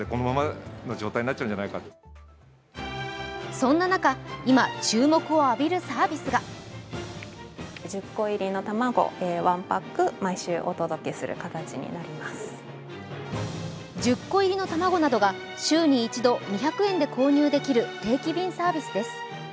そんな中、今、注目を浴びるサービスが１０個入りの卵などが週に１度、２００円で購入できる定期便サービスです。